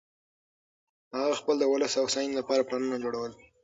هغه د خپل ولس د هوساینې لپاره پلانونه جوړول.